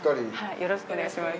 よろしくお願いします。